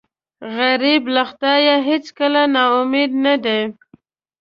غریب له خدایه هېڅکله نا امیده نه دی